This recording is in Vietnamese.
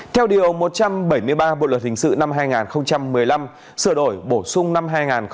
theo điều một trăm bảy mươi ba bộ luật hình sự năm hai nghìn một mươi năm sửa đổi bổ sung năm hai nghìn một mươi bảy